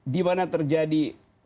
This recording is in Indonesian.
di mana terjadi